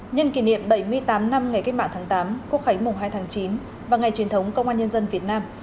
nhân kỷ niệm bảy mươi tám năm ngày cách mạng tháng tám quốc khánh mùng hai tháng chín và ngày truyền thống công an nhân dân việt nam